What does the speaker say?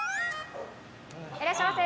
いらっしゃいませ。